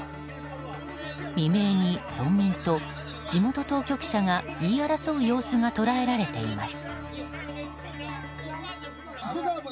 未明に、村民と地元当局者が言い争う様子が捉えられています。